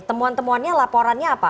temuan temuan nya laporannya apa